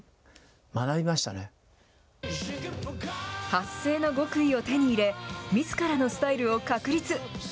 発声の極意を手に入れ、みずからのスタイルを確立。